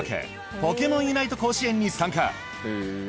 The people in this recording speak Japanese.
ポケモンユナイト甲子園に参加